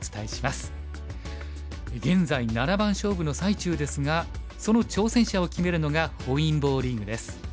現在七番勝負の最中ですがその挑戦者を決めるのが本因坊リーグです。